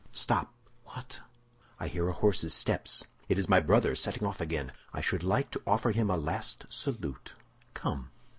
"Stop—" "What?" "I hear a horse's steps; it is my brother setting off again. I should like to offer him a last salute. Come!"